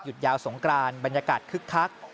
ยาวสงกรานบรรยากาศคึกคัก